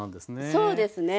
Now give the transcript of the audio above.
そうですね。